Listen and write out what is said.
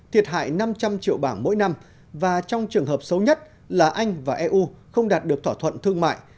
thiệt hại năm trăm linh triệu bảng mỗi năm và trong trường hợp xấu nhất là anh và eu không đạt được thỏa thuận thương mại